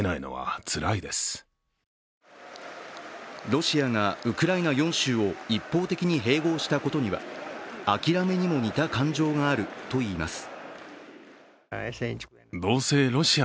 ロシアがウクライナ４州を一方的に併合したことには諦めにも似た感情があるといいます。